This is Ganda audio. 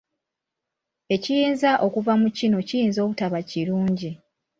Ekiyinza okuva mu kino kiyinza obutaba kirungi.